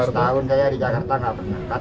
belasan tahun saya di jakarta enggak pernah